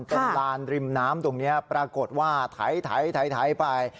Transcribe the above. เป็นลานริมน้ำตรงนี้ปรากฏว่าไถไป